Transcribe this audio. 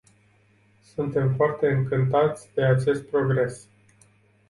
Suntem foarte încântați de acest progres.